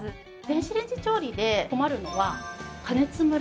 電子レンジ調理で困るのは加熱ムラ。